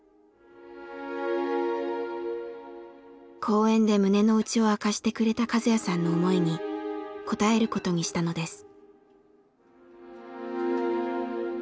公園で胸の内を明かしてくれた和哉さんの思いに応えることにしたのです。